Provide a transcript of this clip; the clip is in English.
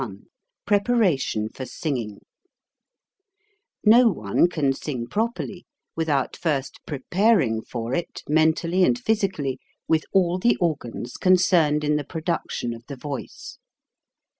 SECTION XXI PREPARATION FOR SINGING No one can sing properly without first pre paring for it, mentally and physically, with all the organs concerned in the production of the voice.